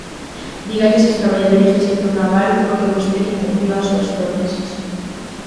Dígalles aos traballadores do sector naval por que vostede incumpriu as súas promesas.